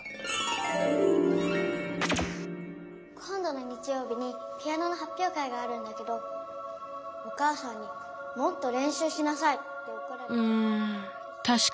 今どの日曜日にピアノのはっぴょう会があるんだけどお母さんにもっとれんしゅうしなさいって。